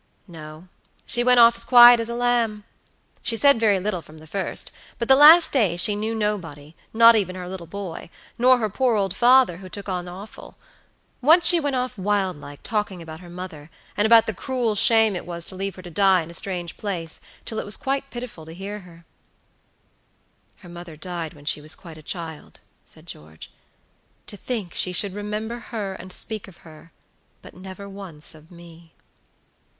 "No, she went off as quiet as a lamb. She said very little from the first; but the last day she knew nobody, not even her little boy, nor her poor old father, who took on awful. Once she went off wild like, talking about her mother, and about the cruel shame it was to leave her to die in a strange place, till it was quite pitiful to hear her." "Her mother died when she was quite a child," said George. "To think that she should remember her and speak of her, but never once of me."